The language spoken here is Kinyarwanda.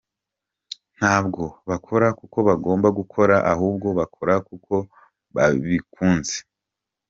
Ntabwo bakora kuko bagomba gukora ahubwo bakora kuko babikunze.